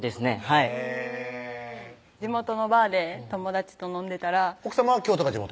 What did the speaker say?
はい地元のバーで友達と飲んでたら奥さまは京都が地元？